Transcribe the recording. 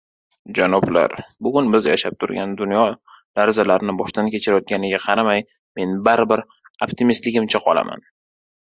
Janoblar! Bugun biz yashab turgan dunyo larzalarni boshidan kechirayotganiga qaramay, men baribir optimistligimcha qolaman.